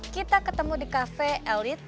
kita ketemu di cafe elite